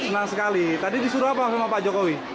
senang sekali tadi disuruh apa sama pak jokowi